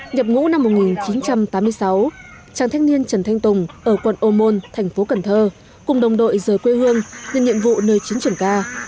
nhập ngũ năm một nghìn chín trăm tám mươi sáu chàng thanh niên trần thanh tùng ở quận ô môn thành phố cần thơ cùng đồng đội rời quê hương lên nhiệm vụ nơi chiến trường ca